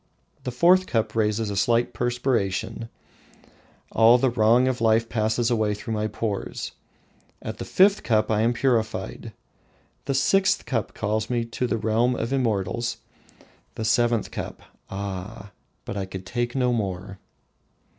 The fourth cup raises a slight perspiration, all the wrong of life passes away through my pores. At the fifth cup I am purified; the sixth cup calls me to the realms of the immortals. The seventh cup ah, but I could take no more!